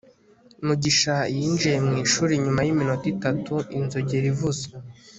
mugisha yinjiye mu ishuri nyuma yiminota itatu inzogera ivuze